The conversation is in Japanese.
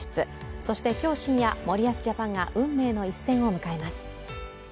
そして今日深夜、森保ジャパンが運命の一戦を迎えます。